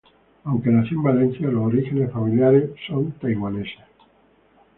Aunque nació en Valencia, los orígenes familiares son taiwaneses.